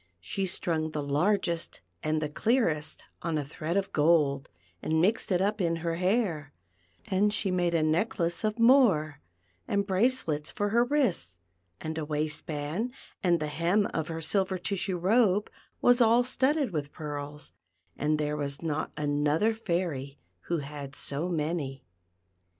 She strung the largest and the clearest on a thread of gold, and mixed it up in her hair, and she made a necklace of more, and brace lets for her wrists, and a waist band, and the hem of her silver tissue robe was all studded with pearls; and there was not another fairy who had so many.